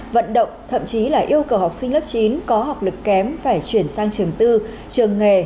vận động thậm chí là yêu cầu học sinh lớp chín có học lực kém phải chuyển sang trường tư trường nghề